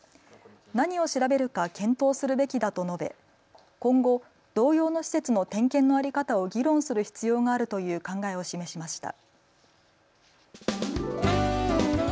何を調べるか検討するべきだと述べ、今後、同様の施設の点検の在り方を議論する必要があるという考えを示しました。